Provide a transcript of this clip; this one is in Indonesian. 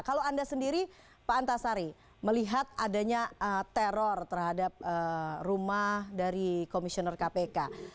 kalau anda sendiri pak antasari melihat adanya teror terhadap rumah dari komisioner kpk